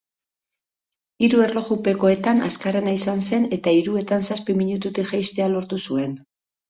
Hiru erlojupekoetan azkarrena izan zen, eta hiruetan zazpi minututik jeistea lortu zuen.